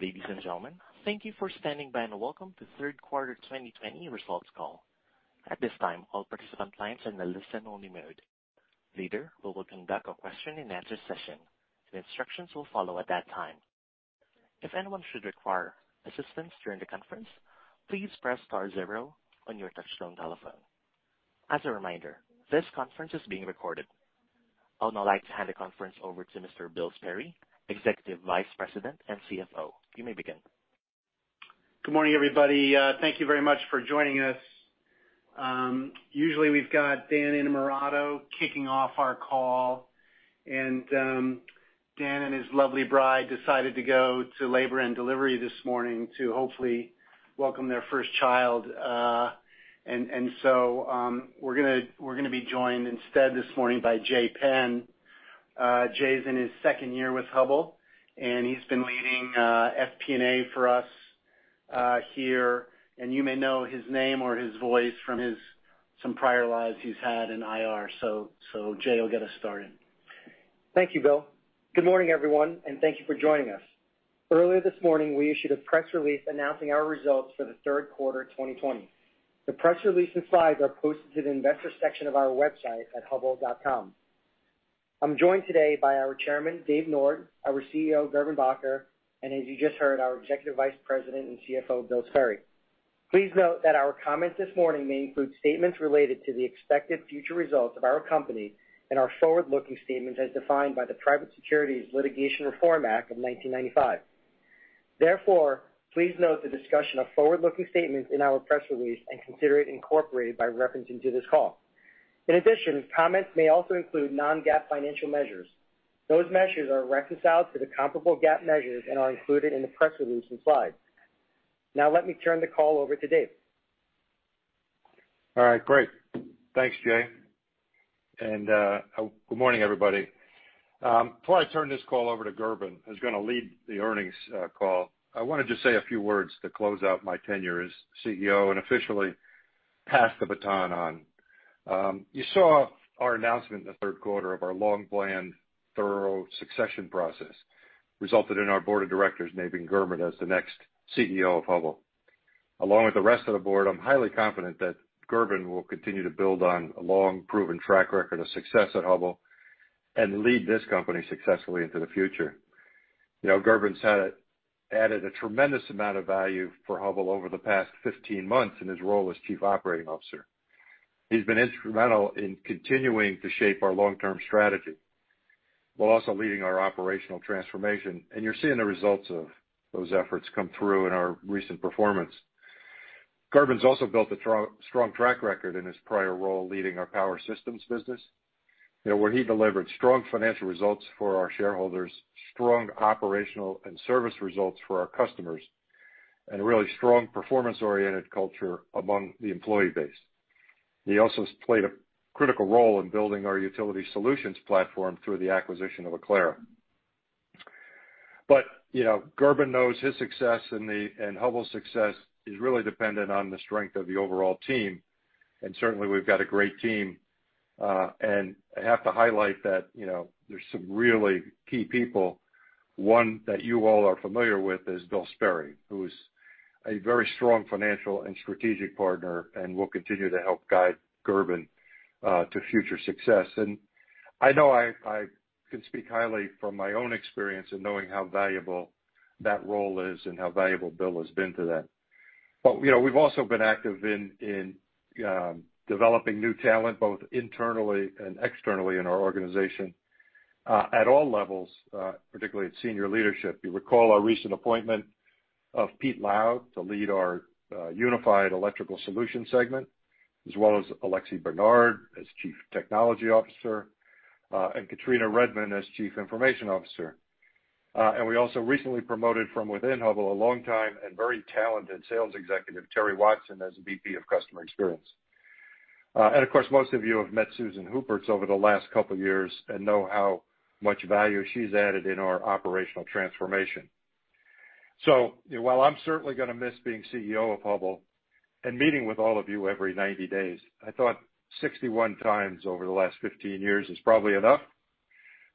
Ladies and gentlemen, thank you for standing by and welcome to Q3 2020 results call. At this time, all participant lines are in a listen-only mode. Later, we will conduct a question-and-answer session. The instructions will follow at that time. If anyone should require assistance during the conference, please press star zero on your touchtone telephone. As a reminder, this conference is being recorded. I would now like to hand the conference over to Mr. Bill Sperry, Executive Vice President and CFO. You may begin. Good morning, everybody. Thank you very much for joining us. Usually, we've got Dan Innamorato kicking off our call. Dan and his lovely bride decided to go to labor and delivery this morning to hopefully welcome their first child. And so we're going to be joined instead this morning by Jay Penn. Jay's in his second year with Hubbell. He's been leading FP&A for us here. You may know his name or his voice from some prior lives he's had in IR. Jay will get us started. Thank you, Bill. Good morning, everyone, and thank you for joining us. Earlier this morning, we issued a press release announcing our results for the Q3 2020. The press release and slides are posted to the investor section of our website at hubbell.com. I'm joined today by our chairman, Dave Nord, our CEO, Gerben Bakker, and as you just heard, our Executive Vice President and CFO, Bill Sperry. Please note that our comments this morning may include statements related to the expected future results of our company and are forward-looking statements as defined by the Private Securities Litigation Reform Act of 1995. Therefore, please note the discussion of forward-looking statements in our press release and consider it incorporated by reference into this call. In addition, comments may also include non-GAAP financial measures. Those measures are reconciled to the comparable GAAP measures and are included in the press release and slides. Now let me turn the call over to Dave. All right, great. Thanks, Jay Penn, and good morning, everybody. Before I turn this call over to Gerben, who's going to lead the earnings call, I want to just say a few words to close out my tenure as CEO and officially pass the baton on. You saw our announcement in the Q3 of our long-planned, thorough succession process resulted in our board of directors naming Gerben as the next CEO of Hubbell. Along with the rest of the board, I'm highly confident that Gerben will continue to build on a long proven track record of success at Hubbell and lead this company successfully into the future. Gerben's added a tremendous amount of value for Hubbell over the past 15 months in his role as Chief Operating Officer. He's been instrumental in continuing to shape our long-term strategy while also leading our operational transformation, and you're seeing the results of those efforts come through in our recent performance. Gerben's also built a strong track record in his prior role leading our power systems business, where he delivered strong financial results for our shareholders, strong operational and service results for our customers, and a really strong performance-oriented culture among the employee base. He also has played a critical role in building our utility solutions platform through the acquisition of Aclara. Gerben knows his success and Hubbell's success is really dependent on the strength of the overall team, and certainly, we've got a great team. I have to highlight that there's some really key people. One that you all are familiar with is Bill Sperry, who's a very strong financial and strategic partner and will continue to help guide Gerben to future success. I know I can speak highly from my own experience in knowing how valuable that role is and how valuable Bill has been to that. We've also been active in developing new talent, both internally and externally in our organization, at all levels, particularly at senior leadership. You recall our recent appointment of Pete Lau to lead our unified electrical solutions segment, as well as Alexis Bernard as Chief Technology Officer, and Katrina Redmond as Chief Information Officer. We also recently promoted from within Hubbell a long time and very talented sales executive, Terri Watson, as the VP of Customer Experience. Of course, most of you have met Susan Huppertz over the last couple of years and know how much value she's added in our operational transformation. So while I'm certainly gonna miss being CEO of Hubbell and meeting with all of you every 90 days, I thought 61 times over the last 15 years is probably enough.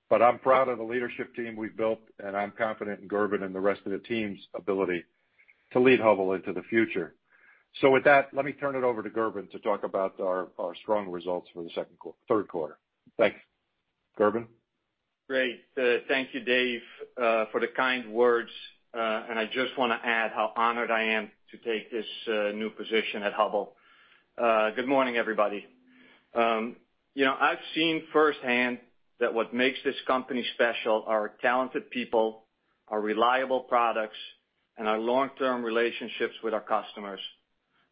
But I'm proud of the leadership team we've built, and I'm confident in Gerben and the rest of the team's ability to lead Hubbell into the future. So with that, let me turn it over to Gerben to talk about our strong results for the Q3. Thanks. Gerben? Great. Thank you, Dave, for the kind words. I just want to add how honored I am to take this new position at Hubbell. Good morning, everybody. I've seen firsthand that what makes this company special are our talented people, our reliable products, and our long-term relationships with our customers.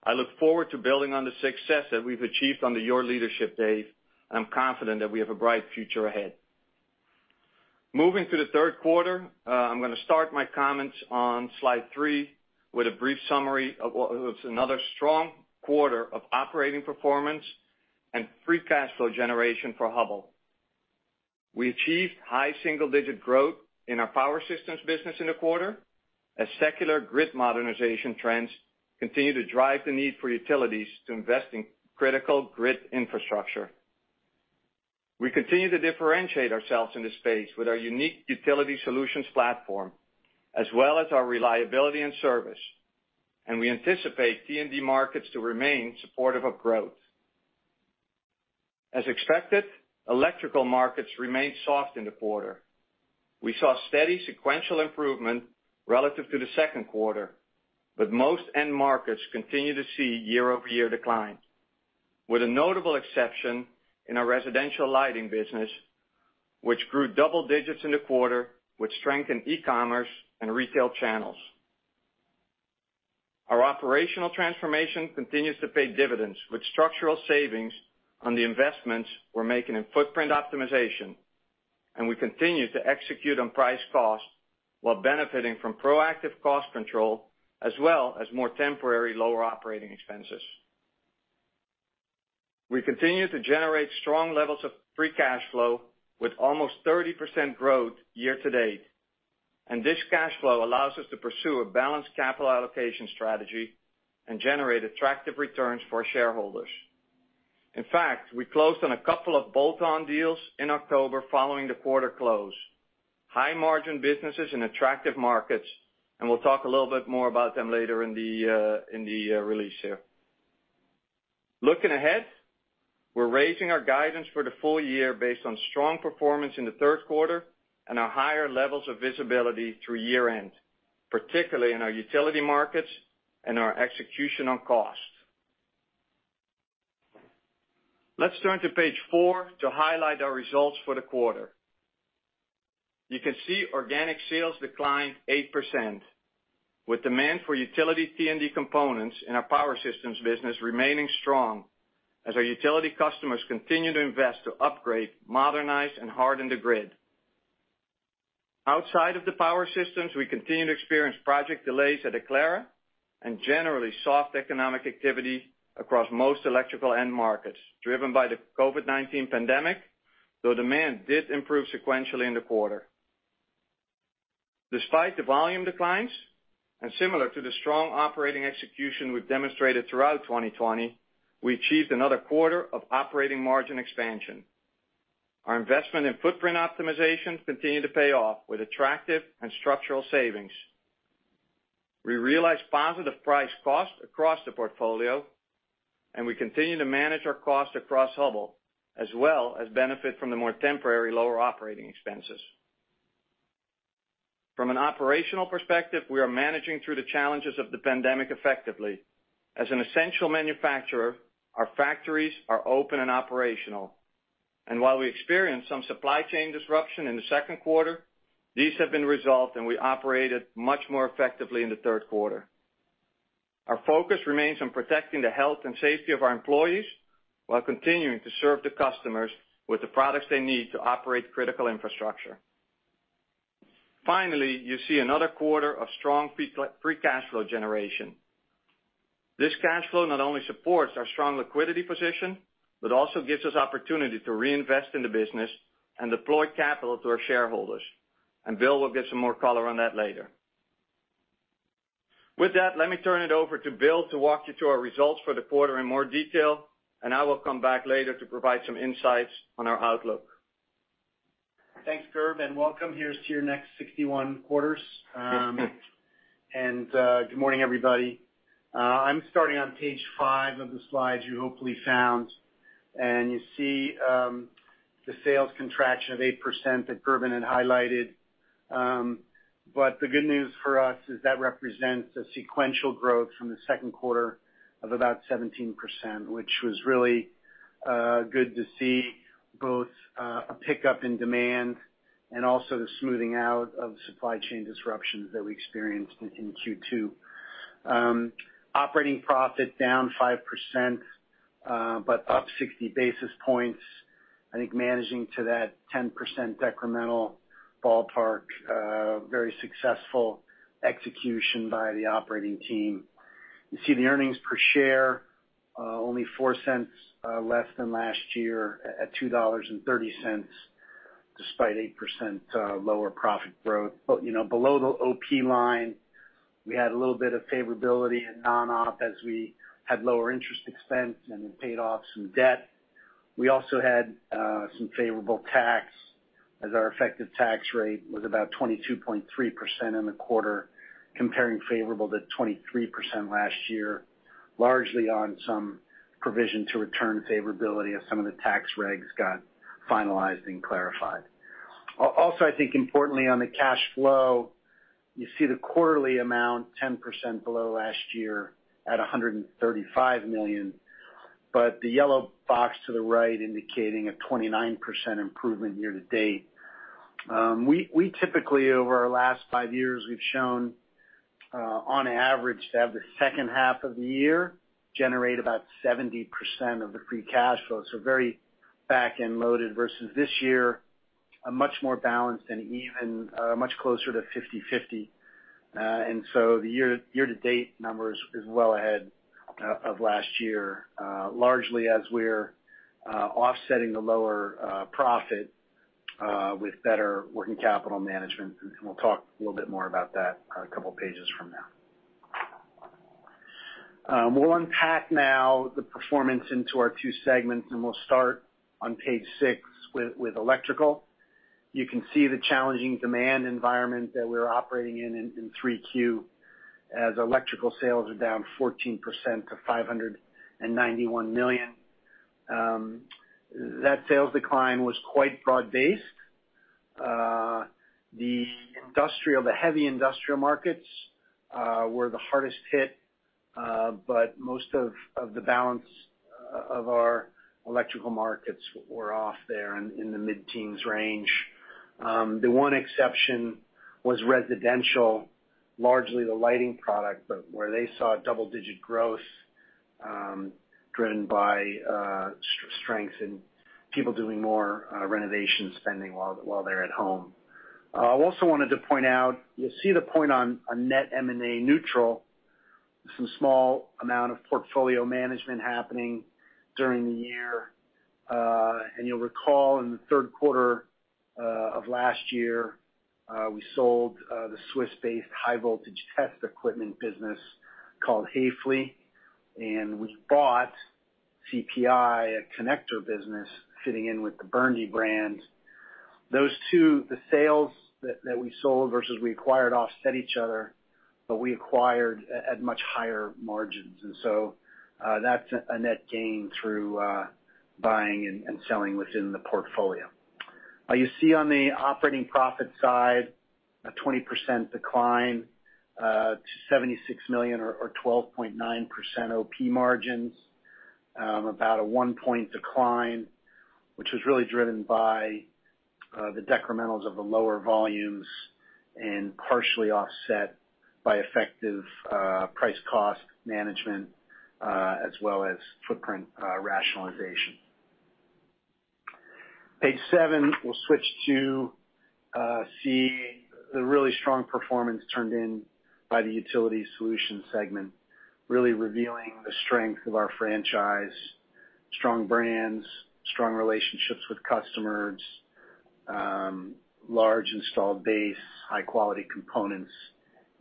I look forward to building on the success that we've achieved under your leadership, Dave, and I'm confident that we have a bright future ahead. Moving to the Q3, I'm going to start my comments on slide three with a brief summary of what was another strong quarter of operating performance and free cash flow generation for Hubbell. We achieved high single-digit growth in our power systems business in the quarter as secular grid modernization trends continue to drive the need for utilities to invest in critical grid infrastructure. We continue to differentiate ourselves in this space with our unique utility solutions platform, as well as our reliability and service, and we anticipate T&D markets to remain supportive of growth. As expected, electrical markets remained soft in the quarter. We saw steady sequential improvement relative to the Q2, but most end markets continue to see year-over-year decline, with a notable exception in our residential lighting business, which grew double digits in the quarter with strength in e-commerce and retail channels. Our operational transformation continues to pay dividends with structural savings on the investments we're making in footprint optimization, and we continue to execute on price cost while benefiting from proactive cost control as well as more temporary lower operating expenses. We continue to generate strong levels of free cash flow with almost 30% growth year-to-date. This cash flow allows us to pursue a balanced capital allocation strategy and generate attractive returns for our shareholders. In fact, we closed on a couple of bolt-on deals in October following the quarter close. High-margin businesses in attractive markets. We'll talk a little bit more about them later in the release here. Looking ahead, we're raising our guidance for the full year based on strong performance in the Q3 and our higher levels of visibility through year-end, particularly in our utility markets and our execution on cost. Let's turn to page four to highlight our results for the quarter. You can see organic sales declined 8%, with demand for utility T&D components in our power systems business remaining strong as our utility customers continue to invest to upgrade, modernize, and harden the grid. Outside of the power systems, we continue to experience project delays at Aclara and generally soft economic activity across most electrical end markets, driven by the COVID-19 pandemic, though demand did improve sequentially in the quarter. Despite the volume declines, and similar to the strong operating execution we've demonstrated throughout 2020, we achieved another quarter of operating margin expansion. Our investment in footprint optimization continued to pay off with attractive and structural savings. We realized positive price cost across the portfolio, and we continue to manage our cost across Hubbell, as well as benefit from the more temporary lower operating expenses. From an operational perspective, we are managing through the challenges of the pandemic effectively. As an essential manufacturer, our factories are open and operational. While we experienced some supply chain disruption in the Q2, these have been resolved, and we operated much more effectively in the Q3. Our focus remains on protecting the health and safety of our employees while continuing to serve the customers with the products they need to operate critical infrastructure. Finally, you see another quarter of strong free cash flow generation. This cash flow not only supports our strong liquidity position, but also gives us opportunity to reinvest in the business and deploy capital to our shareholders. Bill will give some more color on that later. With that, let me turn it over to Bill to walk you through our results for the quarter in more detail, and I will come back later to provide some insights on our outlook. Thanks, Gerben. Welcome. Here's to your next 61 quarters. Good morning, everybody. I'm starting on page five of the slides you hopefully found. And you see the sales contraction of 8% that Gerben had highlighted. The good news for us is that represents a sequential growth from the Q2 of about 17%, which was really good to see both a pickup in demand and also the smoothing out of supply chain disruptions that we experienced in Q2. Operating profit down 5%, but up 60 basis points. I think managing to that 10% incremental ballpark, very successful execution by the operating team. You see the earnings per share, only $0.04 less than last year at $2.30, despite 8% lower profit growth. Below the OP line, we had a little bit of favorability in non-op as we had lower interest expense, and we paid off some debt. We also had some favorable tax as our effective tax rate was about 22.3% in the quarter, comparing favorable to 23% last year, largely on some provision-to-return favorability as some of the tax regs got finalized and clarified. Also, I think importantly on the cash flow, you see the quarterly amount 10% below last year at $135 million, but the yellow box to the right indicating a 29% improvement year-to-date. We typically, over our last five years, we've shown on average to have the H2 of the year generate about 70% of the free cash flow. Very back-end loaded versus this year, a much more balanced and even, much closer to 50/50. And so the year-to-date number is well ahead of last year, largely as we're offsetting the lower profit with better working capital management, and we'll talk a little bit more about that a couple pages from now. We'll unpack now the performance into our two segments, and we'll start on page six with Electrical. You can see the challenging demand environment that we're operating in 3Q, as electrical sales are down 14% to $591 million. That sales decline was quite broad-based. The heavy industrial markets were the hardest hit, but most of the balance of our electrical markets were off there in the mid-teens range. The one exception was residential, largely the lighting product, but where they saw double-digit growth driven by strength in people doing more renovation spending while they're at home. I also wanted to point out, you'll see the point on net M&A neutral, some small amount of portfolio management happening during the year. You'll recall in the Q3 of last year, we sold the Swiss-based high voltage test equipment business called Haefely, and we bought CPI, a connector business fitting in with the BURNDY brand. Those two, the sales that we sold versus we acquired offset each other, we acquired at much higher margins. And so that's a net gain through buying and selling within the portfolio. You see on the operating profit side, a 20% decline to $76 million or 12.9% OP margins. About a one-point decline, which was really driven by the decrementals of the lower volumes and partially offset by effective price cost management, as well as footprint rationalization. Page seven, we'll switch to see the really strong performance turned in by the Utility Solutions segment, really revealing the strength of our franchise, strong brands, strong relationships with customers, large installed base, high-quality components,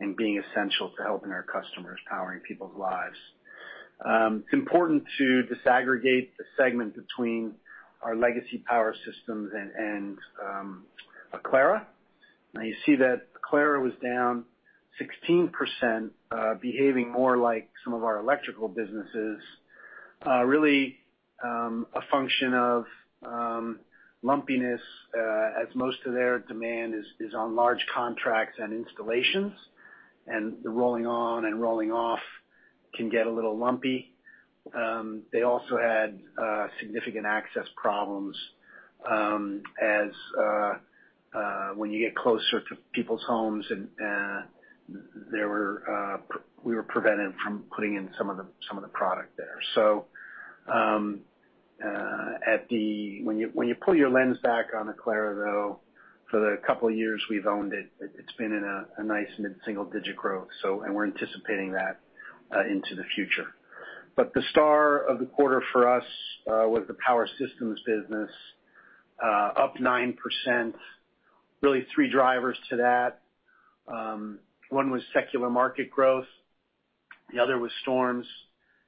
and being essential to helping our customers powering people's lives. It's important to disaggregate the segment between our legacy power systems and Aclara. Now you see that Aclara was down 16%, behaving more like some of our electrical businesses. Really, a function of lumpiness, as most of their demand is on large contracts and installations, and the rolling on and rolling off can get a little lumpy. They also had significant access problems, as when you get closer to people's homes, we were prevented from putting in some of the product there. So at the when you pull your lens back on Aclara, though, for the couple of years we've owned it's been in a nice mid-single digit growth. We're anticipating that into the future. But the star of the quarter for us was the Power Systems business, up 9%. Really three drivers to that. One was secular market growth, the other was storms,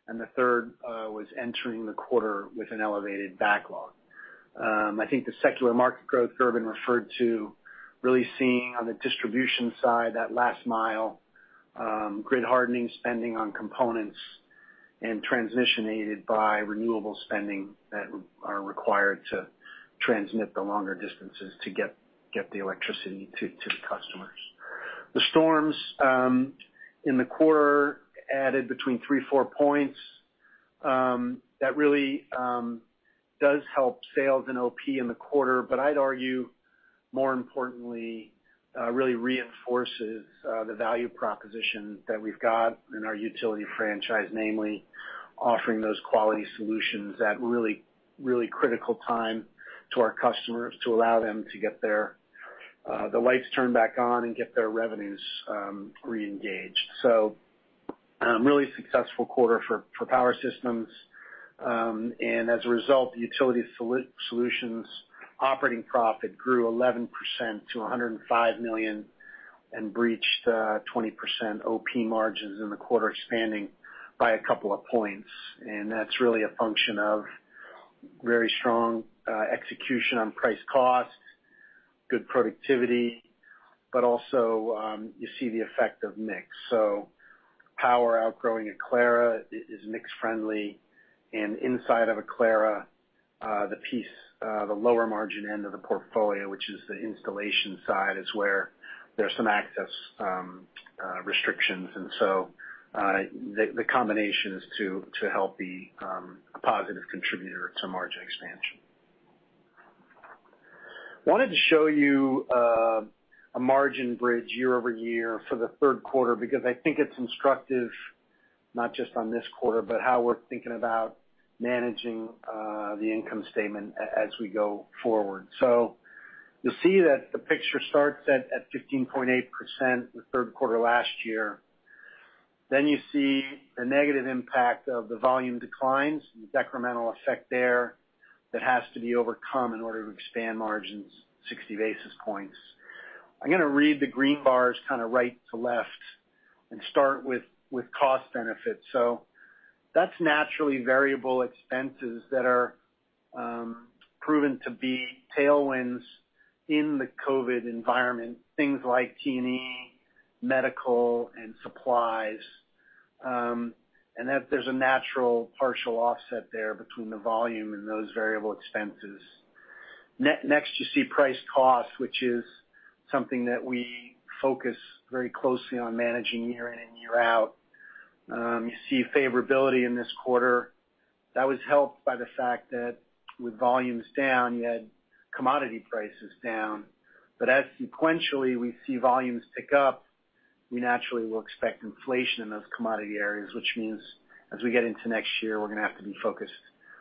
and the third was entering the quarter with an elevated backlog. I think the secular market growth Gerben referred to really seeing on the distribution side, that last mile, grid hardening spending on components and transmission aided by renewable spending that are required to transmit the longer distances to get the electricity to the customers. The storms in the quarter added between three, four points. That really does help sales and OP in the quarter, but I'd argue, more importantly, really reinforces the value proposition that we've got in our utility franchise, namely offering those quality solutions at really critical time to our customers to allow them to get the lights turned back on, and get their revenues reengaged. So, it was a really successful quarter for Power Systems. And as a result, the Utility Solutions operating profit grew 11% to $105 million and breached 20% OP margins in the quarter, expanding by a couple of points. That's really a function of very strong execution on price cost, good productivity, but also, you see the effect of mix. Power outgrowing Aclara is mix friendly. Inside of Aclara, the lower margin end of the portfolio, which is the installation side, is where there's some access restrictions. The combination is to help be a positive contributor to margin expansion. Wanted to show you a margin bridge year-over-year for the Q3, because I think it's instructive, not just on this quarter, but how we're thinking about managing the income statement as we go forward. You'll see that the picture starts at 15.8% the Q3 last year. You see the negative impact of the volume declines, the decremental effect there that has to be overcome in order to expand margins 60 basis points. I'm going to read the green bars right to left and start with cost benefits. That's naturally variable expenses that are proven to be tailwinds in the COVID environment, things like T&E, medical, and supplies. That there's a natural partial offset there between the volume and those variable expenses. Next you see price cost, which is something that we focus very closely on managing year in and year out. You see favorability in this quarter. That was helped by the fact that with volumes down, you had commodity prices down. As sequentially, we see volumes tick up, we naturally will expect inflation in those commodity areas, which means as we get into next year, we're going to have to be focused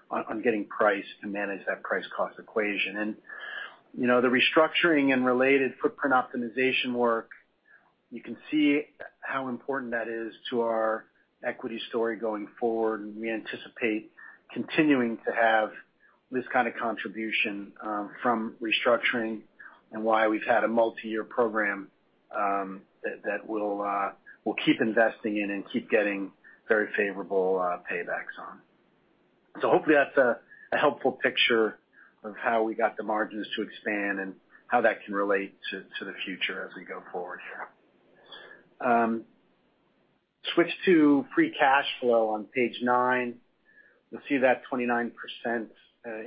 on getting price to manage that price cost equation. The restructuring and related footprint optimization work, you can see how important that is to our equity story going forward, and we anticipate continuing to have this kind of contribution from restructuring and why we've had a multi-year program that we'll keep investing in and keep getting very favorable paybacks on. Hopefully, that's a helpful picture of how we got the margins to expand and how that can relate to the future as we go forward here. Switch to free cash flow on page nine. You'll see that 29%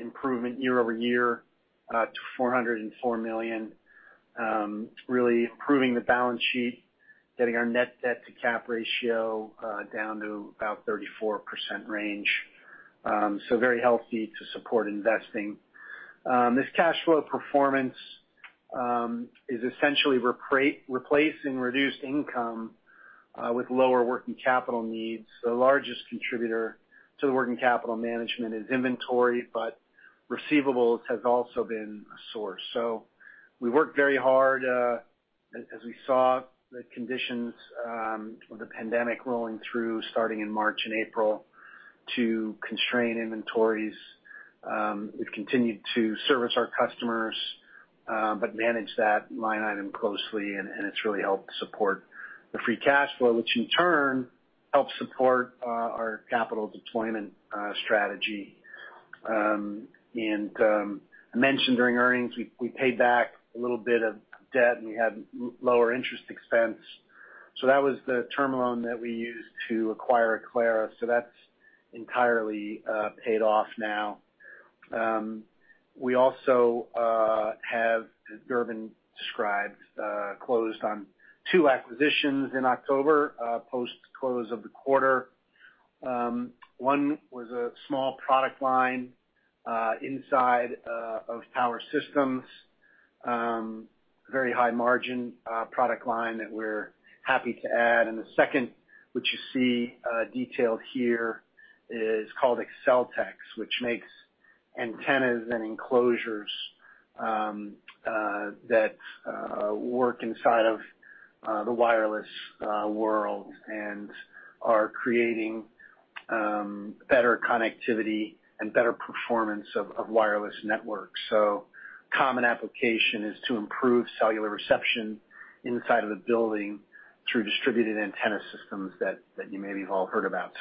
improvement year-over-year to $404 million, really improving the balance sheet, getting our net debt to cap ratio down to about 34% range. Very healthy to support investing. This cash flow performance is essentially replacing reduced income with lower working capital needs. The largest contributor to the working capital management is inventory, but receivables has also been a source. We worked very hard, as we saw the conditions of the pandemic rolling through, starting in March and April, to constrain inventories. We've continued to service our customers, manage that line item closely, it's really helped support the free cash flow, which in turn helps support our capital deployment strategy. In the mentioned during earnings, we paid back a little bit of debt, and we had lower interest expense. So that was the term loan that we used to acquire Aclara. So that's entirely paid off now. We also have, as Gerben described, closed on two acquisitions in October, post-close of the quarter. One was a small product line inside of power systems. Very high margin product line that we're happy to add. The second, which you see detailed here, is called AccelTex, which makes antennas and enclosures that work inside of the wireless world and are creating better connectivity and better performance of wireless networks. So common application is to improve cellular reception inside of the building through distributed antenna systems that you maybe have all heard about.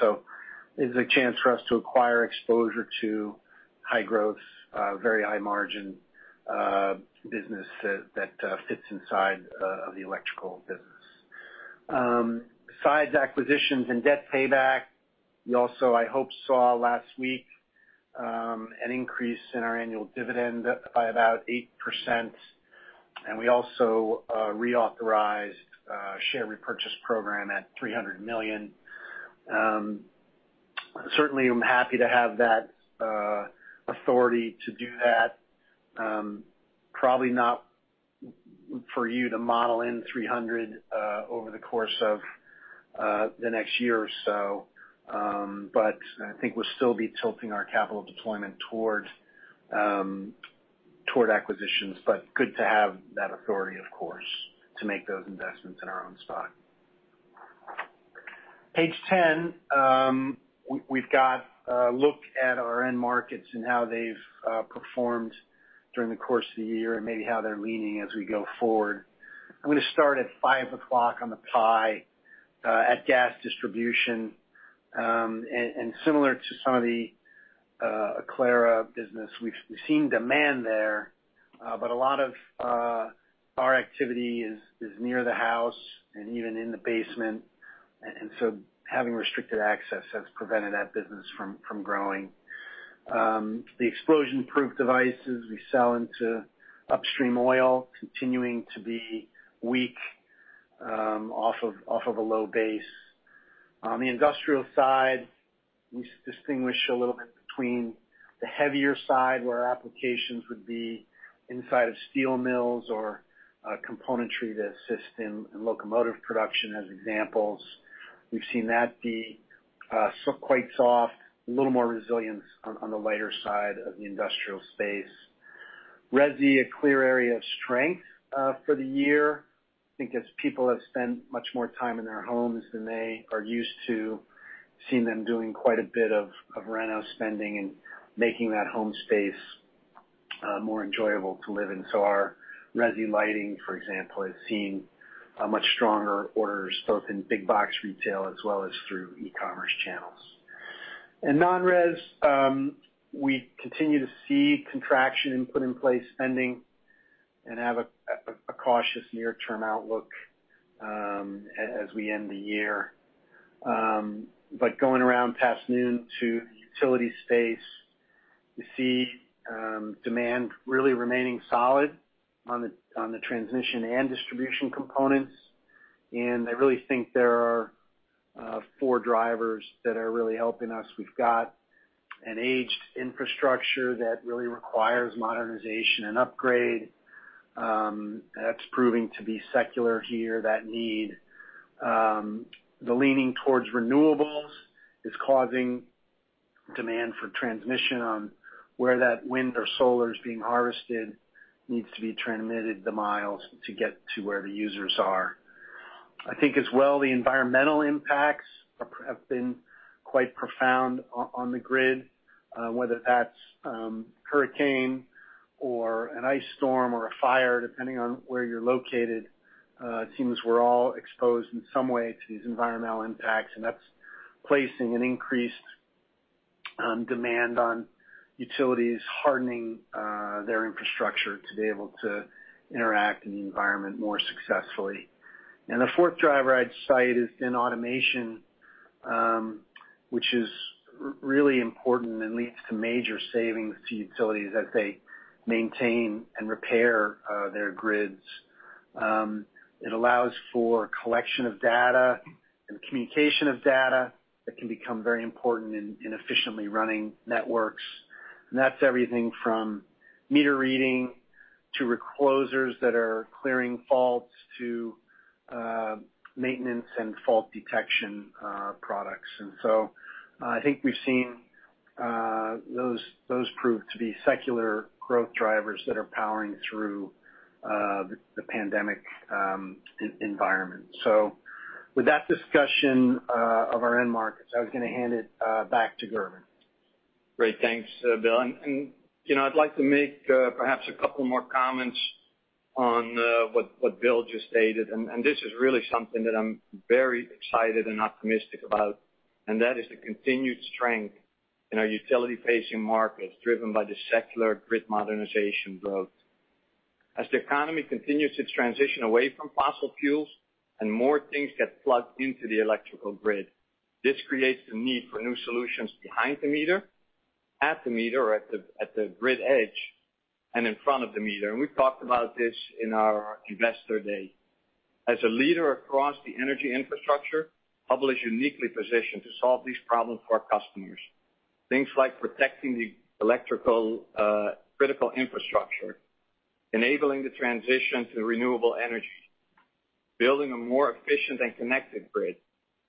It's a chance for us to acquire exposure to high growth, very high margin business that fits inside of the electrical business. Besides acquisitions and debt payback, you also, I hope, saw last week an increase in our annual dividend by about 8%, and we also reauthorized a share repurchase program at $300 million. Certainly, I'm happy to have that authority to do that. Probably not for you to model in $300 over the course of the next year or so. I think we'll still be tilting our capital deployment toward acquisitions, but good to have that authority, of course, to make those investments in our own stock. Page 10. We've got a look at our end markets and how they've performed during the course of the year and maybe how they're leaning as we go forward. I'm going to start at 5 o'clock on the pie at gas distribution. Similar to some of the Aclara business, we've seen demand there, but a lot of our activity is near the house and even in the basement. Having restricted access has prevented that business from growing. The explosion-proof devices we sell into upstream oil continuing to be weak off of a low base. On the industrial side, we distinguish a little bit between the heavier side, where our applications would be inside of steel mills or componentry that assist in locomotive production as examples. We've seen that be quite soft, a little more resilience on the lighter side of the industrial space. Here is a clear area of strength for the year. I think as people have spent much more time in their homes than they are used to, seen them doing quite a bit of reno spending and making that home space more enjoyable to live in. Our resi lighting, for example, has seen much stronger orders, both in big box retail as well as through e-commerce channels. In non-res, we continue to see contraction in put-in-place spending and have a cautious near-term outlook as we end the year. Going around past noon to the utility space, you see demand really remaining solid on the transition and distribution components. I really think there are four drivers that are really helping us. We've got an aged infrastructure that really requires modernization and upgrade. That's proving to be secular here, that need. The leaning towards renewables is causing demand for transmission on where that wind or solar is being harvested, needs to be transmitted the miles to get to where the users are. I think as well, the environmental impacts have been quite profound on the grid, whether that's hurricane or an ice storm or a fire, depending on where you're located. It seems we're all exposed in some way to these environmental impacts, that's placing an increased demand on utilities, hardening their infrastructure to be able to interact in the environment more successfully. The fourth driver I'd cite is in automation, which is really important and leads to major savings to utilities as they maintain and repair their grids. It allows for collection of data and communication of data that can become very important in efficiently running networks. That's everything from meter reading to reclosers that are clearing faults to maintenance and fault detection products. And so I think we've seen those prove to be secular growth drivers that are powering through the pandemic environment. So with that discussion of our end markets, I was going to hand it back to Gerben. Great. Thanks, Bill. I'd like to make perhaps a couple more comments on what Bill just stated, and this is really something that I'm very excited and optimistic about, and that is the continued strength in our utility-facing markets, driven by the secular grid modernization growth. As the economy continues to transition away from fossil fuels and more things get plugged into the electrical grid, this creates the need for new solutions behind the meter, at the meter, or at the grid edge, and in front of the meter. We've talked about this in our investor day. As a leader across the energy infrastructure, Hubbell is uniquely positioned to solve these problems for our customers. Things like protecting the electrical critical infrastructure, enabling the transition to renewable energy, building a more efficient and connected grid,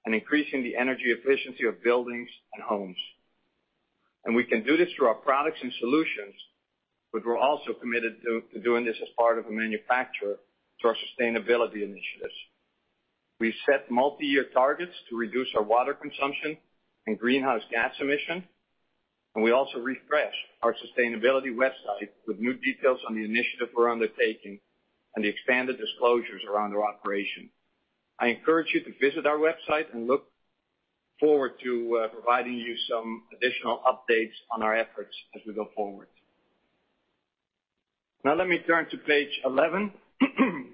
and increasing the energy efficiency of buildings and homes. We can do this through our products and solutions, but we're also committed to doing this as part of a manufacturer through our sustainability initiatives. We set multi-year targets to reduce our water consumption and greenhouse gas emission. We also refreshed our sustainability website with new details on the initiative we're undertaking and the expanded disclosures around our operation. I encourage you to visit our website and look forward to providing you some additional updates on our efforts as we go forward. Let me turn to page 11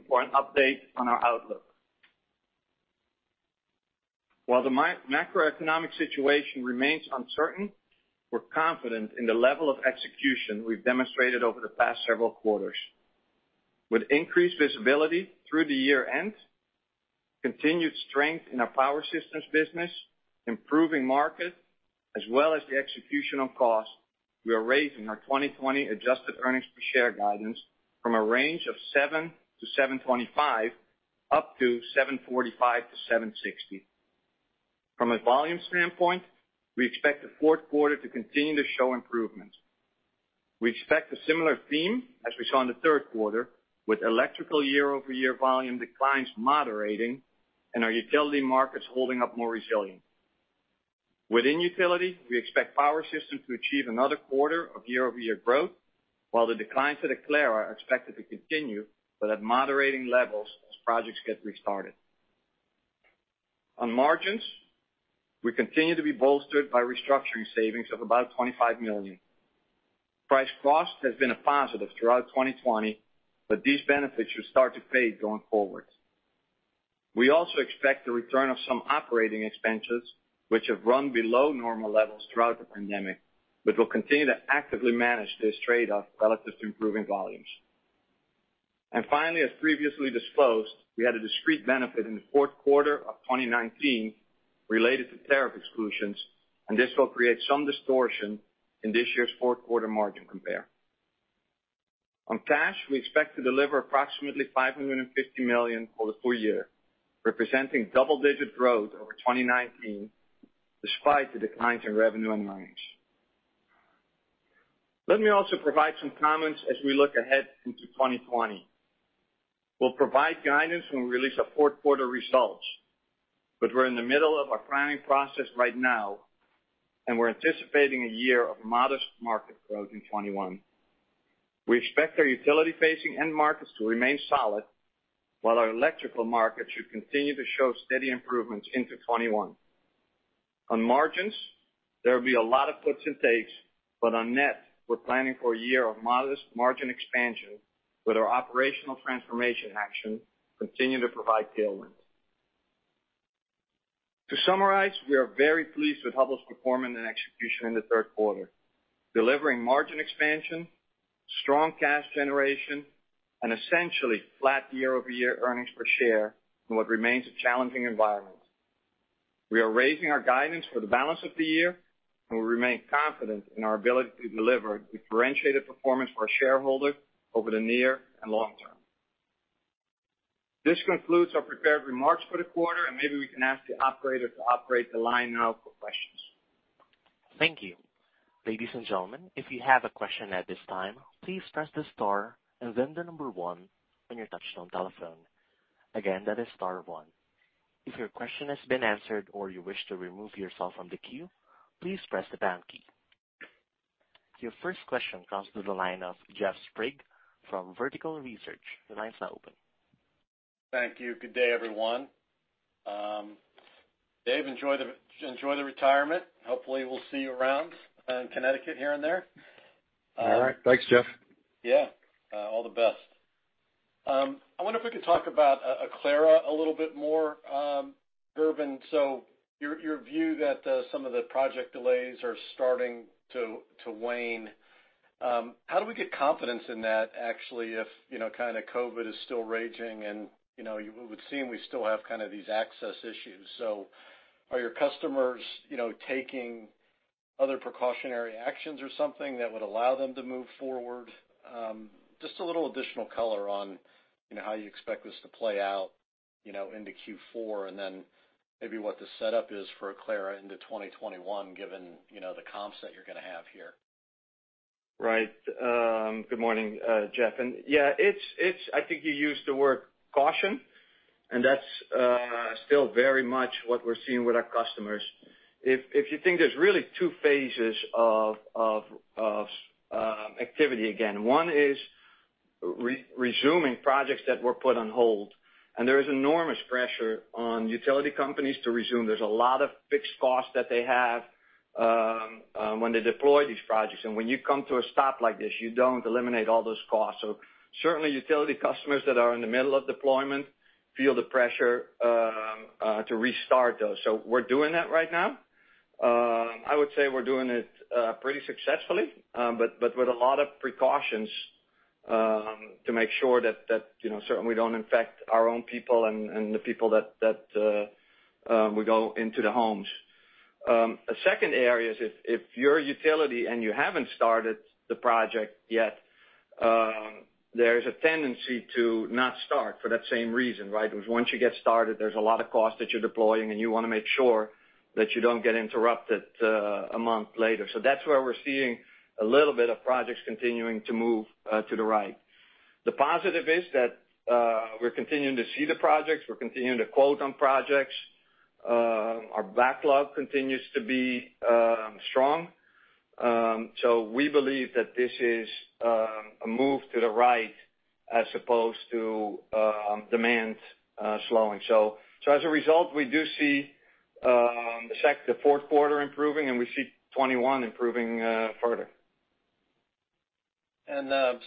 for an update on our outlook. While the macroeconomic situation remains uncertain, we're confident in the level of execution we've demonstrated over the past several quarters. With increased visibility through the year-end, continued strength in our power systems business, improving market, as well as the execution on cost, we are raising our 2020 adjusted earnings per share guidance from a range of $7 to $7.25 up to $7.45 to $7.60. From a volume standpoint, we expect the Q4 to continue to show improvement. We expect a similar theme as we saw in the Q3, with electrical year-over-year volume declines moderating and our utility markets holding up more resilient. Within utility, we expect power systems to achieve another quarter of year-over-year growth, while the declines at Aclara are expected to continue, but at moderating levels as projects get restarted. On margins, we continue to be bolstered by restructuring savings of about $25 million. Price cost has been a positive throughout 2020, but these benefits should start to fade going forward. We also expect the return of some operating expenses, which have run below normal levels throughout the pandemic, but we'll continue to actively manage this trade-off relative to improving volumes. Finally, as previously disclosed, we had a discrete benefit in the Q4 of 2019 related to tariff exclusions, and this will create some distortion in this year's Q4 margin compare. On cash, we expect to deliver approximately $550 million for the full year, representing double-digit growth over 2019, despite the declines in revenue and margins. Let me also provide some comments as we look ahead into 2020. We'll provide guidance when we release our Q4 results, we're in the middle of our planning process right now, we're anticipating a year of modest market growth in 2021. We expect our utility-facing end markets to remain solid, while our electrical market should continue to show steady improvements into 2021. On margins, there will be a lot of gives and takes, but on net, we're planning for a year of modest margin expansion with our operational transformation actions continuing to provide tailwinds. To summarize, we are very pleased with Hubbell's performance and execution in the Q3, delivering margin expansion, strong cash generation, and essentially flat year-over-year earnings per share in what remains a challenging environment. We are raising our guidance for the balance of the year, we remain confident in our ability to deliver differentiated performance for our shareholders over the near and long term. This concludes our prepared remarks for the quarter, and maybe we can ask the operator to operate the line now for questions. Thankyou. Ladies and gentlemen, if you have a question at this time, please press the star and then the number one on your touchtone telephone. Again, that is star one. If your question has been answered or you wish to remove yourself from the queue, please press the boundary. Your first question comes to the line of Jeff Sprague from Vertical Research Partners. The line's now open. Thank you. Good day, everyone. Dave, enjoy the retirement. Hopefully, we'll see you around in Connecticut here and there. All right. Thanks, Jeff. Yeah. All the best. I wonder if we could talk about Aclara a little bit more, Gerben. Your view that some of the project delays are starting to wane, how do we get confidence in that, actually, if COVID is still raging, and you would seem we still have these access issues. Are your customers taking other precautionary actions or something that would allow them to move forward? Just a little additional color on how you expect this to play out into Q4, and then maybe what the setup is for Aclara into 2021, given the comps that you're going to have here. Right. Good morning, Jeff. Yeah, I think you used the word caution, and that's still very much what we're seeing with our customers. If you think, there's really two phases of activity again. One is resuming projects that were put on hold, and there is enormous pressure on utility companies to resume. There's a lot of fixed costs that they have when they deploy these projects. When you come to a stop like this, you don't eliminate all those costs. Certainly, utility customers that are in the middle of deployment feel the pressure to restart those. We're doing that right now. I would say we're doing it pretty successfully, but with a lot of precautions to make sure that certainly we don't infect our own people and the people that we go into the homes. A second area is if you're a utility and you haven't started the project yet, there is a tendency to not start for that same reason, right? Because once you get started, there's a lot of cost that you're deploying, and you want to make sure that you don't get interrupted a month later. That's where we're seeing a little bit of projects continuing to move to the right. The positive is that we're continuing to see the projects, we're continuing to quote on projects. Our backlog continues to be strong. We believe that this is a move to the right as opposed to demand slowing. As a result, we do see the Q4 improving, and we see 2021 improving further.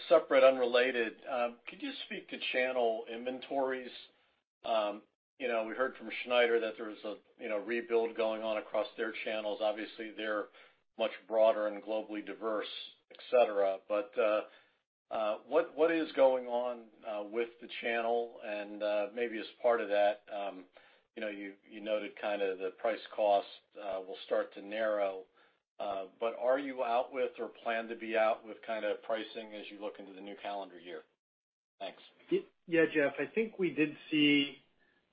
Separate, unrelated, could you speak to channel inventories? We heard from Schneider that there's a rebuild going on across their channels. Obviously, they're much broader and globally diverse, et cetera. What is going on with the channel? Maybe as part of that, you noted the price cost will start to narrow. Are you out with or plan to be out with pricing as you look into the new calendar year? Thanks. Yeah, Jeff, I think we did see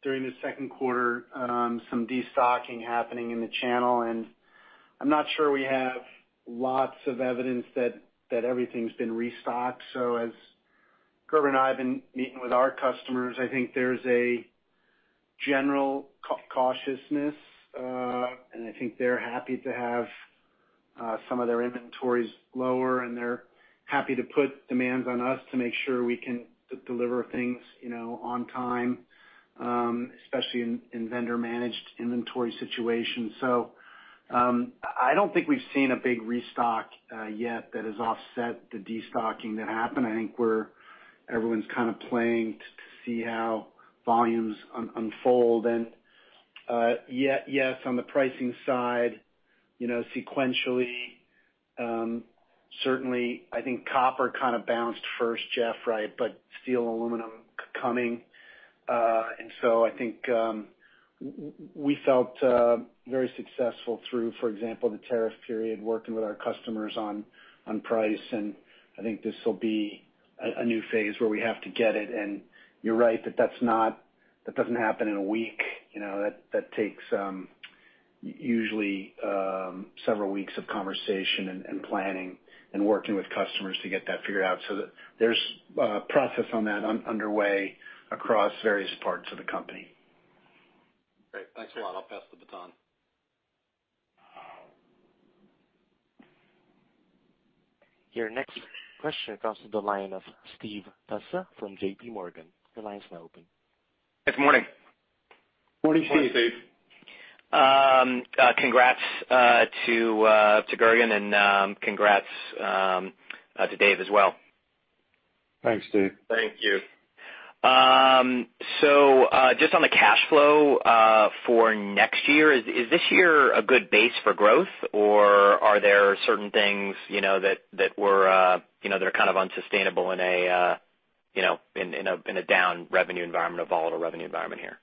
during the Q2 some destocking happening in the channel. I'm not sure we have lots of evidence that everything's been restocked. As Gerben and I have been meeting with our customers, I think there's a general cautiousness. I think they're happy to have some of their inventories lower. They're happy to put demands on us to make sure we can deliver things on time, especially in vendor-managed inventory situations. I don't think we've seen a big restock yet that has offset the destocking that happened. I think everyone's kind of playing to see how volumes unfold. Yes, on the pricing side, sequentially, certainly, I think copper kind of bounced first, Jeff, right? Steel, aluminum coming. I think we felt very successful through, for example, the tariff period, working with our customers on price. I think this will be a new phase where we have to get it. You're right, that that doesn't happen in a week. Usually, several weeks of conversation and planning and working with customers to get that figured out, so that there's a process on that underway across various parts of the company. Great. Thanks a lot. I'll pass the baton. Your next question comes to the line of Steve Tusa from J.P. Morgan. Your line is now open. Good morning. Morning, Steve. Congrats, to Gerben, and congrats to Dave as well. Thanks, Steve. Thank you. Just on the cash flow for next year, is this year a good base for growth, or are there certain things that are kind of unsustainable in a down revenue environment, a volatile revenue environment here?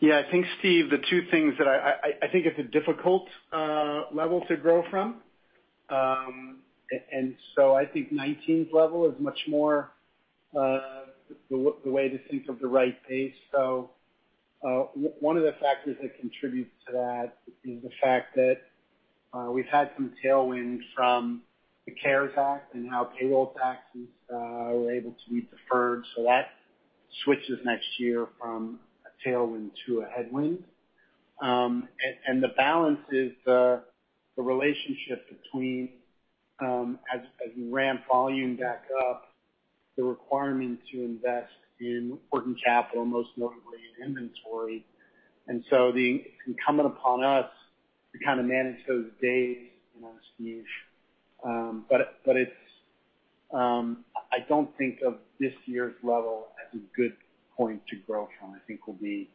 I think Steve, the two things that I think it's a difficult level to grow from. I think 2019's level is much more, the way to think of the right pace. One of the factors that contributes to that is the fact that we've had some tailwinds from the CARES Act and how payroll taxes were able to be deferred. That switches next year from a tailwind to a headwind. The balance is the relationship between, as you ramp volume back up, the requirement to invest in working capital, most notably in inventory. It's incumbent upon us to kind of manage those days, Steve. I don't think of this year's level as a good point to grow from. I think we'll be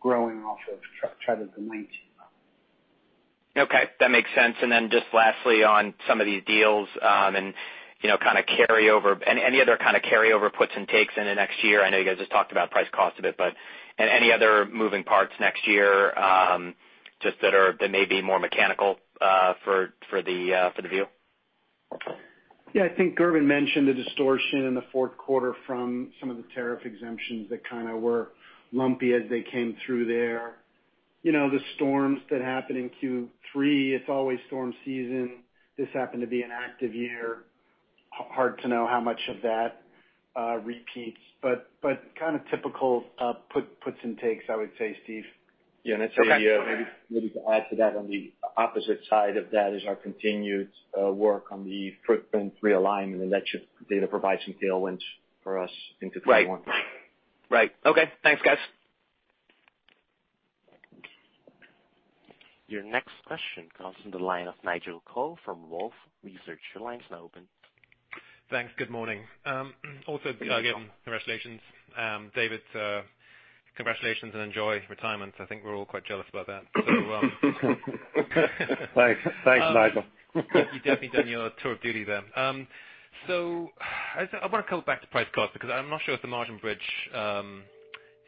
growing off of the 2019 level. Okay, that makes sense. Then just lastly, on some of these deals, and any other kind of carryover puts and takes into next year? I know you guys just talked about price cost a bit, but any other moving parts next year, that may be more mechanical for the view? Yeah, I think Gerben mentioned the distortion in the Q4 from some of the tariff exemptions that kind of were lumpy as they came through there. The storms that happened in Q3, it's always storm season. This happened to be an active year. Hard to know how much of that repeats. Kind of typical puts and takes, I would say, Steve. Yeah, maybe to add to that, on the opposite side of that is our continued work on the footprint realignment that should be able to provide some tailwinds for us into 2021. Right. Okay. Thanks, guys. Your next question comes on the line of Nigel Coe from Wolfe Research. Your line is now open. Thanks. Good morning. Also to Gerben, congratulations. Dave, congratulations and enjoy retirement. I think we're all quite jealous about that. Thanks, Nigel. You've definitely done your tour of duty then. I want to go back to price cost, because I'm not sure if the margin bridge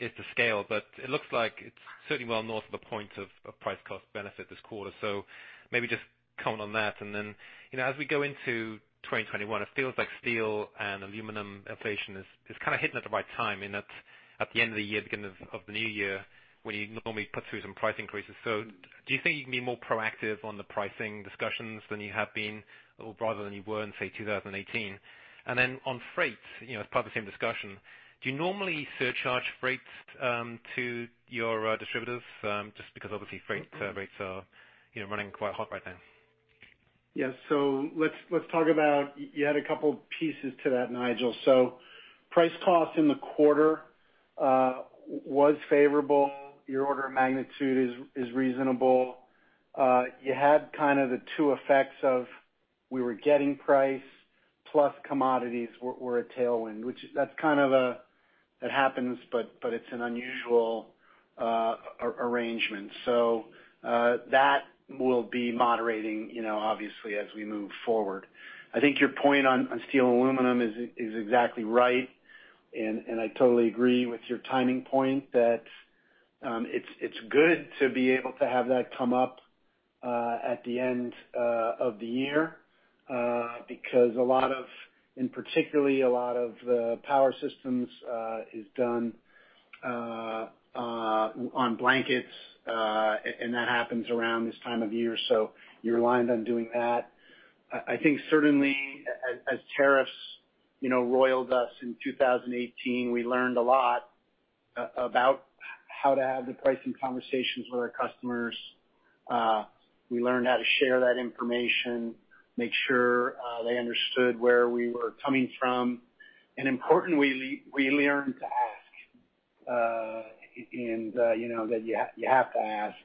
is to scale, but it looks like it's certainly well north of the point of price cost benefit this quarter. Maybe just comment on that, and then as we go into 2021, it feels like steel and aluminum inflation is kind of hitting at the right time, in that at the end of the year, beginning of the new year, when you normally put through some price increases. Do you think you can be more proactive on the pricing discussions than you have been, or rather than you were in, say, 2018? Then on freight, as part of the same discussion, do you normally surcharge freight to your distributors? Just because obviously freight rates are running quite hot right now. Yeah. You had a couple pieces to that, Nigel. Price cost in the quarter was favorable. Your order of magnitude is reasonable. You had kind of the two effects of we were getting price, plus commodities were a tailwind. That happens, but it's an unusual arrangement. That will be moderating obviously as we move forward. I think your point on steel and aluminum is exactly right. I totally agree with your timing point that it's good to be able to have that come up at the end of the year because a lot of, and particularly a lot of the power systems is done on blankets, and that happens around this time of year. You're aligned on doing that. I think certainly as tariffs roiled us in 2018, we learned a lot about how to have the pricing conversations with our customers. We learned how to share that information, make sure they understood where we were coming from. Importantly, we learned to ask, and that you have to ask,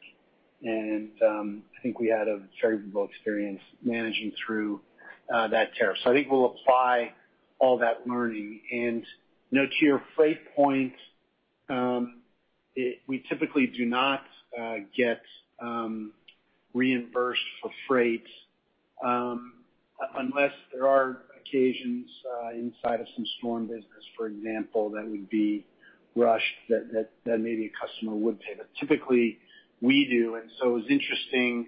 and I think we had a very good experience managing through that tariff. I think we'll apply all that learning. To your freight point, we typically do not get reimbursed for freight, unless there are occasions inside of some storm business, for example, that would be rushed that maybe a customer would pay. Typically, we do, and so it was interesting.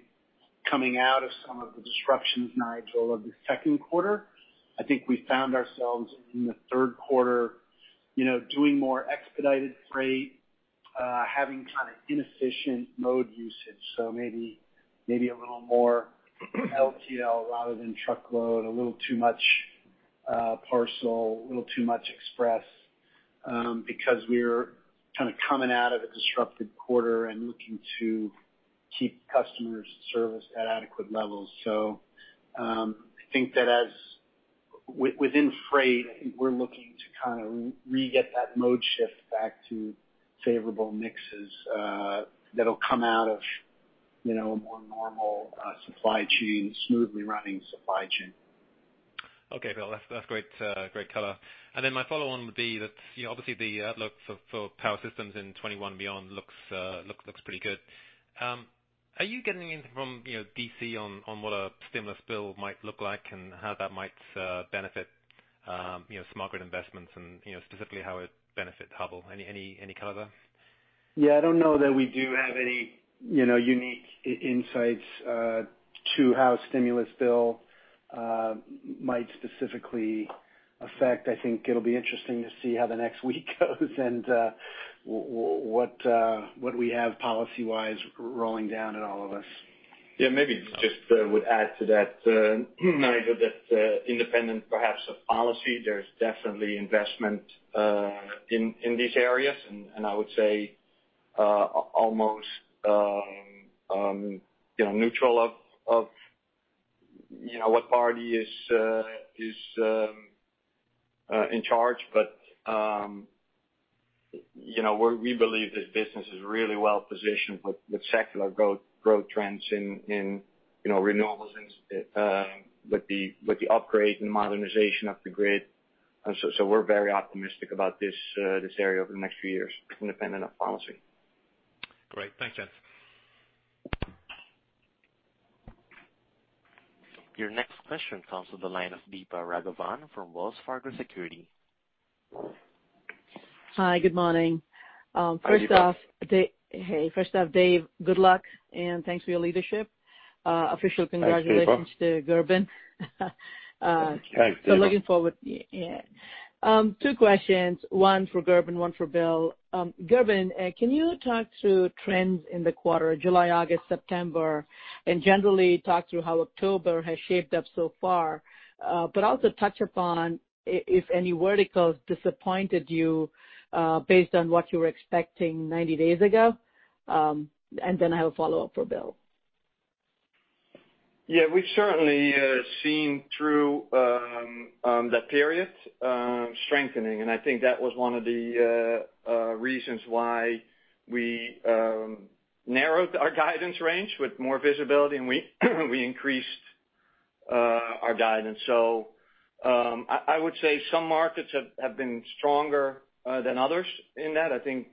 Coming out of some of the disruptions, Nigel, of the Q2, I think we found ourselves in the Q3 doing more expedited freight, having kind of inefficient mode usage. Maybe a little more LTL rather than truckload, a little too much parcel, a little too much express, because we're kind of coming out of a disrupted quarter and looking to keep customers serviced at adequate levels. I think that within freight, I think we're looking to re-get that mode shift back to favorable mixes that'll come out of a more normal supply chain, smoothly running supply chain. Okay, Bill, that's great color. My follow-on would be that obviously the outlook for power systems in 2021 beyond looks pretty good. Are you getting anything from D.C. on what a stimulus bill might look like and how that might benefit smart grid investments and specifically how it benefits Hubbell? Any color there? Yeah, I don't know that we do have any unique insights to how stimulus bill might specifically affect. I think it'll be interesting to see how the next week goes and what we have policy-wise rolling down at all of us. Yeah, maybe just would add to that, Nigel, that independent perhaps of policy, there's definitely investment in these areas, and I would say almost neutral of what party is in charge. We believe this business is really well-positioned with secular growth trends in renewables and with the upgrade and modernization of the grid. We're very optimistic about this area over the next few years, independent of policy. Great. Thanks, guys. Your next question comes to the line of Deepa Raghavan from Wells Fargo Securities. Hi, good morning. Hi, Deepa. Hey. First off, Dave, good luck, and thanks for your leadership. Thanks, Deepa. Official congratulations to Gerben. Thanks, Deepa. Looking forward. Two questions. One for Gerben, one for Bill. Gerben, can you talk to trends in the quarter, July, August, September, and generally talk through how October has shaped up so far? Also touch upon if any verticals disappointed you based on what you were expecting 90 days ago. Then I have a follow-up for Bill. Yeah, we've certainly seen through that period strengthening, and I think that was one of the reasons why we narrowed our guidance range with more visibility, and we increased our guidance. I would say some markets have been stronger than others in that. I think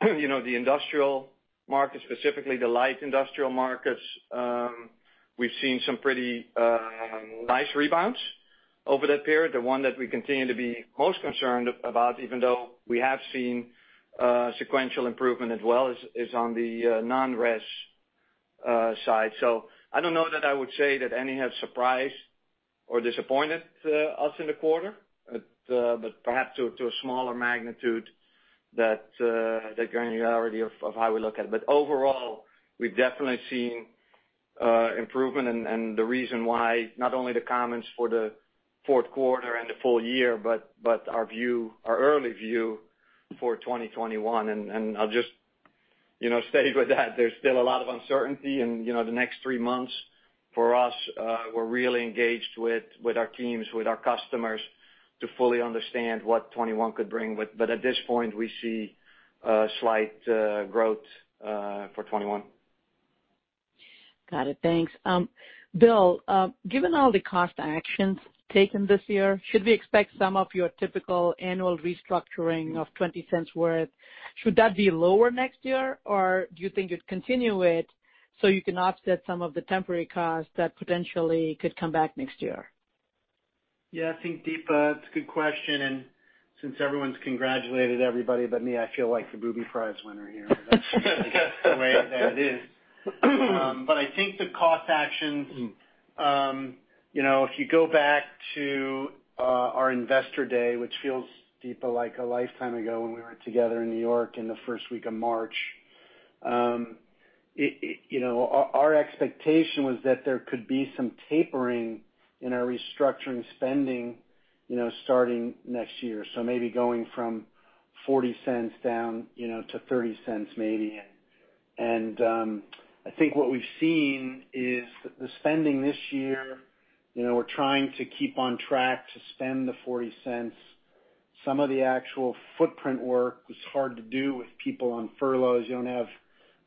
the industrial markets, specifically the light industrial markets, we've seen some pretty nice rebounds over that period. The one that we continue to be most concerned about, even though we have seen sequential improvement as well, is on the non-res side. I don't know that I would say that any have surprised or disappointed us in the quarter, but perhaps to a smaller magnitude that granularity of how we look at it. Overall, we've definitely seen improvement and the reason why, not only the comments for the Q4 and the full year, but our early view for 2021. I'll just state with that, there's still a lot of uncertainty in the next three months for us. We're really engaged with our teams, with our customers to fully understand what 2021 could bring. At this point, we see slight growth for 2021. Got it. Thanks. Bill, given all the cost actions taken this year, should we expect some of your typical annual restructuring of $0.20 worth? Should that be lower next year, or do you think you'd continue it so you can offset some of the temporary costs that potentially could come back next year? I think, Deepa, it's a good question. Since everyone's congratulated everybody but me, I feel like the booby prize winner here. That's the way that it is. I think the cost actions, if you go back to our investor day, which feels, Deepa, like a lifetime ago when we were together in New York in the first week of March. Our expectation was that there could be some tapering in our restructuring spending starting next year. Maybe going from $0.40 down to $0.30 maybe. I think what we've seen is the spending this year, we're trying to keep on track to spend the $0.40. Some of the actual footprint work was hard to do with people on furloughs. You don't have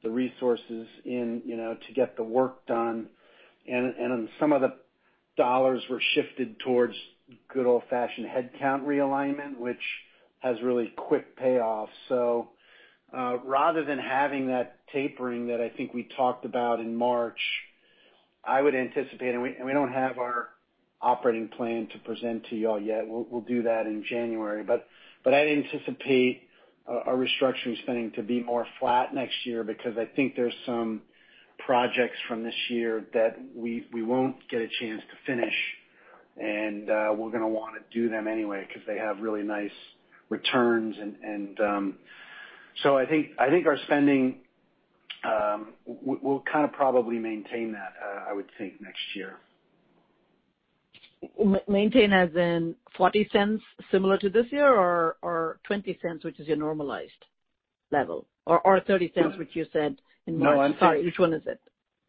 the resources in to get the work done. Some of the dollars were shifted towards good old-fashioned headcount realignment, which has really quick payoffs. Rather than having that tapering that I think we talked about in March, I would anticipate, and we don't have our operating plan to present to you all yet. We'll do that in January. I'd anticipate our restructuring spending to be more flat next year because I think there's some projects from this year that we won't get a chance to finish, and we're going to want to do them anyway because they have really nice returns. I think our spending, we'll kind of probably maintain that, I would think, next year. Maintain as in $0.40 similar to this year, or $0.20, which is your normalized level, or $0.30, which you said in March? No, I'm saying- Sorry, which one is it?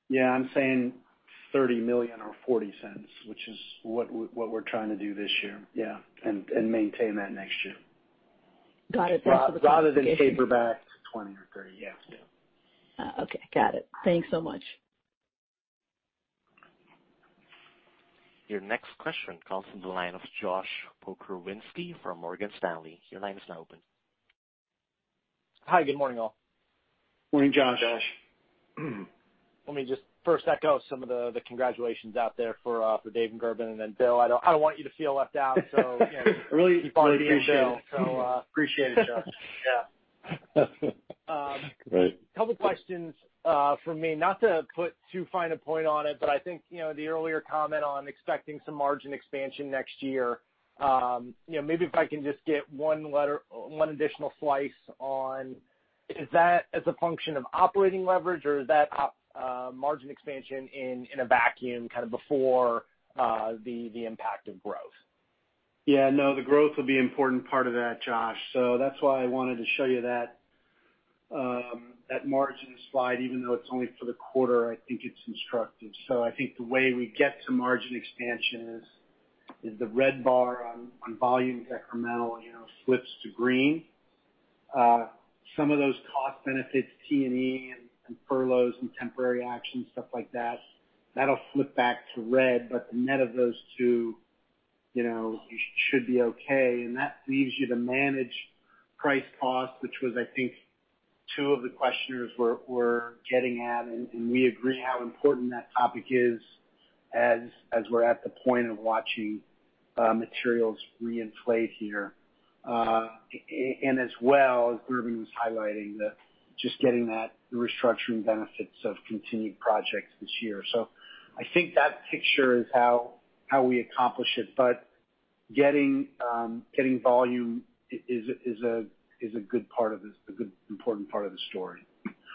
Yeah, I'm saying $30 million or $0.40, which is what we're trying to do this year, yeah. Maintain that next year. Got it. Thanks for the clarification. Rather than taper back 20 or 30. Yeah. Okay. Got it. Thanks so much. Your next question comes from the line of Josh Pokrzywinski from Morgan Stanley. Your line is now open. Hi. Good morning, all. Morning, Josh. Morning, Josh. Let me just first echo some of the congratulations out there for Dave and Gerben, and then Bill, I don't want you to feel left out. I really appreciate it. Keep on it, Bill. Appreciate it, Josh. Yeah. Great. A couple of questions from me, not to put too fine a point on it, but I think the earlier comment on expecting some margin expansion next year. Maybe if I can just get one additional slice on, is that as a function of operating leverage or is that margin expansion in a vacuum kind of before the impact of growth? No, the growth will be an important part of that, Josh. That's why I wanted to show you that margin slide. Even though it's only for the quarter, I think it's instructive. I think the way we get to margin expansion is the red bar on volume incremental slips to green. Some of those cost benefits, T&E and furloughs and temporary actions, stuff like that'll flip back to red. The net of those two should be okay, and that leaves you to manage price cost, which was, I think, two of the questioners were getting at, and we agree how important that topic is as we're at the point of watching materials re-inflate here. As well, as Gerben was highlighting, just getting that restructuring benefits of continued projects this year. I think that picture is how we accomplish it, but getting volume is a good, important part of the story.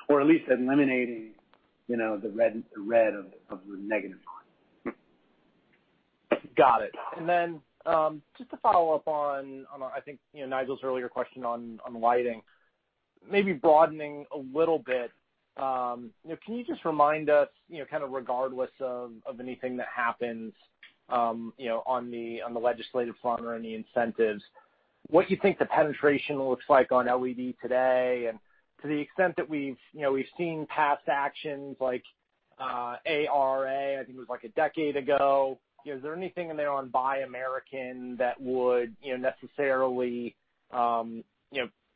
At least eliminating the red of the negative. Got it. Just to follow up on, I think Nigel's earlier question on lighting. Maybe broadening a little bit, can you just remind us, kind of regardless of anything that happens on the legislative front or any incentives, what you think the penetration looks like on LED today? To the extent that we've seen past actions like ARRA, I think it was like a decade ago. Is there anything in there on Buy American that would necessarily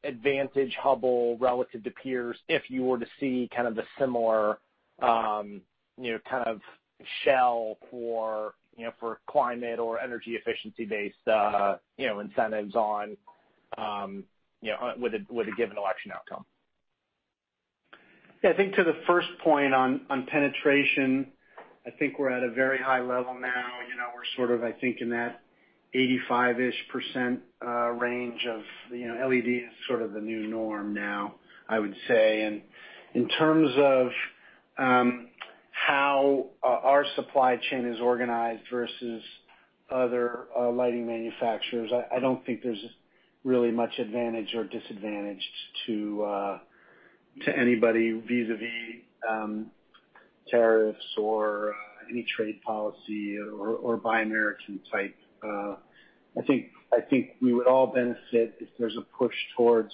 advantage Hubbell relative to peers if you were to see kind of a similar shell for climate or energy efficiency-based incentives with a given election outcome? Yeah, I think to the first point on penetration, I think we're at a very high level now. We're sort of, I think, in that 85-ish% range of LED is sort of the new norm now, I would say. In terms of how our supply chain is organized versus other lighting manufacturers, I don't think there's really much advantage or disadvantage to anybody vis-a-vis tariffs or any trade policy or Buy American type. I think we would all benefit if there's a push towards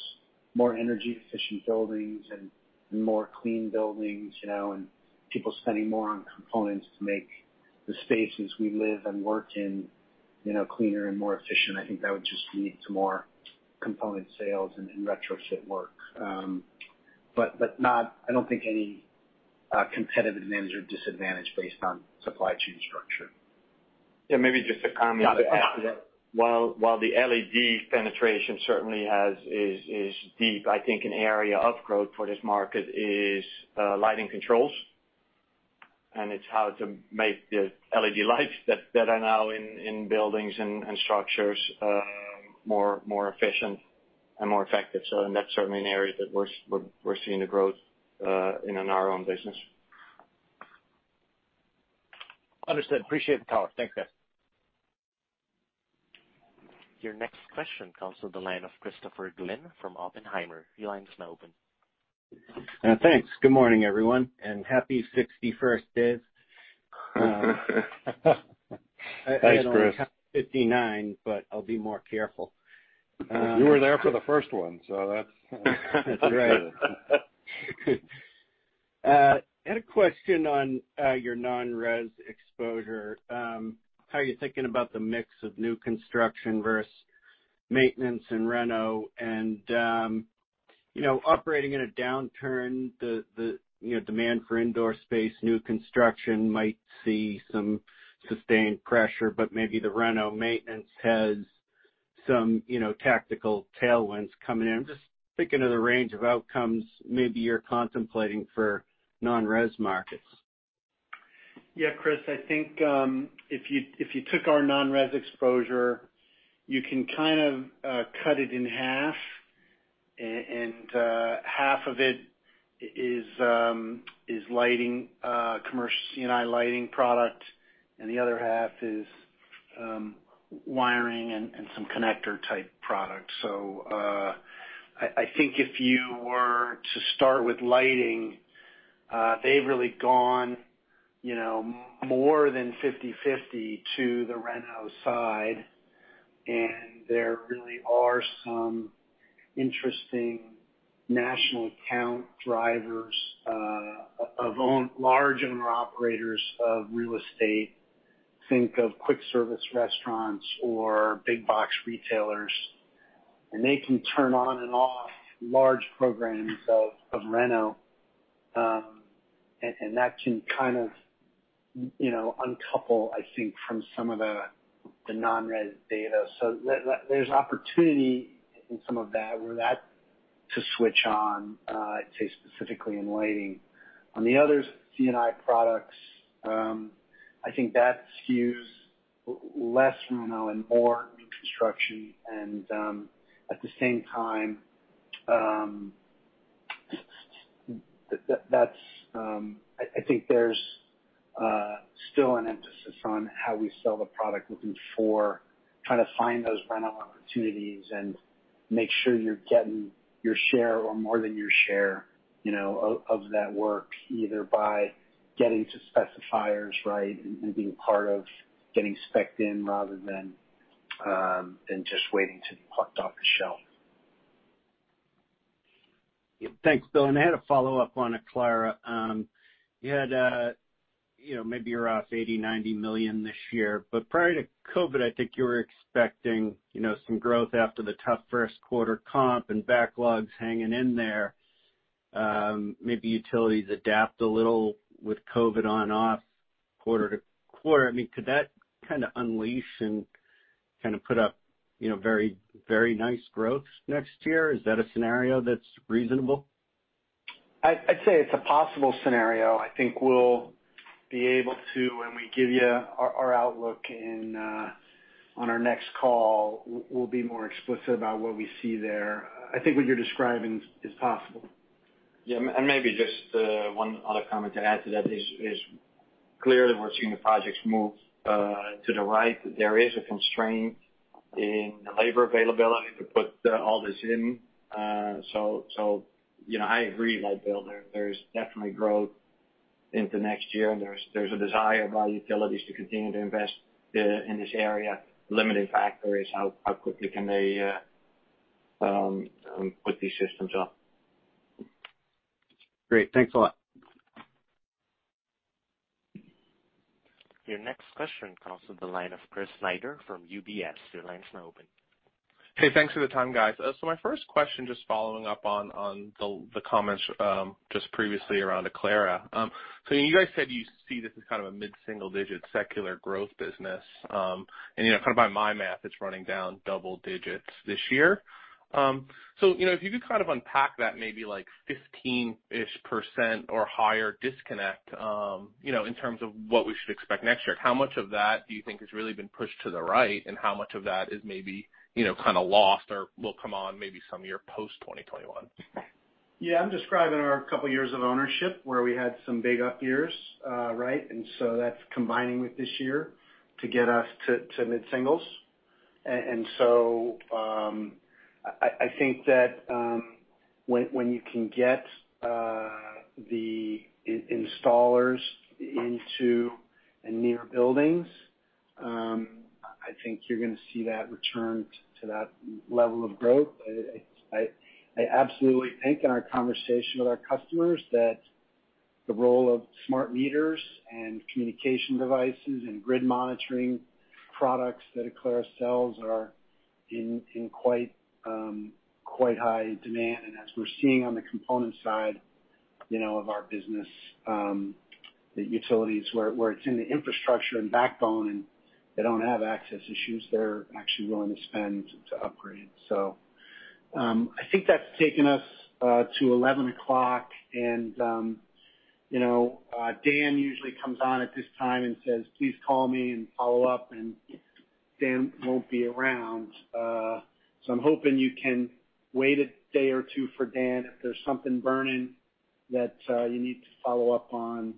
more energy efficient buildings and more clean buildings, and people spending more on components to make the spaces we live and work in cleaner and more efficient. I think that would just lead to more component sales and retrofit work. I don't think any competitive advantage or disadvantage based on supply chain structure. Yeah, maybe just to comment to add to that. While the LED penetration certainly is deep, I think an area of growth for this market is lighting controls, and it's how to make the LED lights that are now in buildings and structures more efficient and more effective. That's certainly an area that we're seeing the growth in our own business. Understood. Appreciate the color. Thanks, guys. Your next question comes from the line of Christopher Glynn from Oppenheimer. Your line is now open. Thanks. Good morning, everyone, and happy 61st, Dave. Thanks, Chris. I only have 59, but I'll be more careful. You were there for the first one, so that's. That's right. I had a question on your non-res exposure. How are you thinking about the mix of new construction versus maintenance and reno, and operating in a downturn, the demand for indoor space, new construction might see some sustained pressure, but maybe the reno maintenance has some tactical tailwinds coming in. I'm just thinking of the range of outcomes maybe you're contemplating for non-res markets. Yeah, Chris, I think, if you took our non-res exposure, you can kind of cut it in half. Half of it is C&I lighting product. The other half is wiring and some connector type products. I think if you were to start with lighting, they've really gone more than 50/50 to the reno side. There really are some interesting national account drivers of large owner operators of real estate. Think of quick service restaurants or big box retailers. They can turn on and off large programs of reno. That can kind of uncouple from some of the non-res data. There's opportunity in some of that, for that to switch on, I'd say specifically in lighting. On the other C&I products, I think that skews less reno and more new construction and, at the same time, I think there's still an emphasis on how we sell the product, looking for, trying to find those reno opportunities and make sure you're getting your share or more than your share of that work, either by getting to specifiers right and being part of getting specced in rather than just waiting to be plucked off the shelf. Thanks, Bill. I had a follow-up on Aclara. You had maybe you're off $80 million-$90 million this year, but prior to COVID, I think you were expecting some growth after the tough Q1 comp and backlogs hanging in there. Maybe utilities adapt a little with COVID on off quarter-to-quarter. Could that kind of unleash and put up very nice growth next year? Is that a scenario that's reasonable? I'd say it's a possible scenario. I think we'll be able to, when we give you our outlook on our next call, we'll be more explicit about what we see there. I think what you're describing is possible. Maybe just one other comment to add to that is clearly we're seeing the projects move to the right. There is a constraint in the labor availability to put all this in. I agree with Bill, there's definitely growth into next year. There's a desire by utilities to continue to invest in this area. Limiting factor is how quickly can they put these systems up. Great. Thanks a lot. Your next question comes to the line of Chris Snyder from UBS. Your line is now open. Hey, thanks for the time, guys. My first question, just following up on the comments just previously around Aclara. You guys said you see this as kind of a mid-single digit secular growth business. By my math, it's running down double digits this year. If you could kind of unpack that maybe like 15-ish% or higher disconnect, in terms of what we should expect next year. How much of that do you think has really been pushed to the right, and how much of that is maybe kind of lost or will come on maybe some year post 2021? Yeah, I'm describing our couple of years of ownership where we had some big up years. Right? And so that's combining with this year to get us to mid-singles. And so I think that when you can get the installers into and near buildings, I think you're going to see that return to that level of growth. I absolutely think in our conversation with our customers that the role of smart meters and communication devices and grid monitoring products that Aclara sells are in quite high demand. As we're seeing on the component side of our business, the utilities, where it's in the infrastructure and backbone and they don't have access issues, they're actually willing to spend to upgrade. I think that's taken us to 11 o'clock and Dan usually comes on at this time and says, "Please call me and follow up," and Dan won't be around. I'm hoping you can wait a day or two for Dan. If there's something burning that you need to follow up on,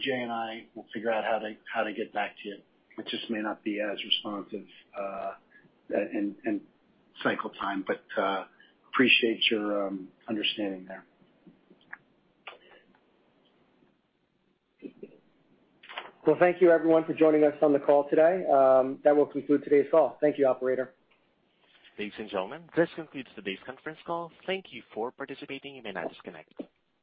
Jay and I will figure out how to get back to you. It just may not be as responsive in cycle time. But appreciate your understanding there. Well, thank you everyone for joining us on the call today. That will conclude today's call. Thank you, operator. Ladies and gentlemen, this concludes today's conference call. Thank you for participating. You may now disconnect.